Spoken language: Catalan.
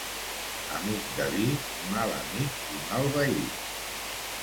Amic de vi, mal amic i mal veí.